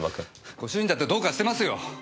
ご主人だってどうかしてますよ。